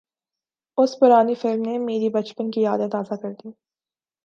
اُس پرانی فلم نے میری بچپن کی یادیں تازہ کردیں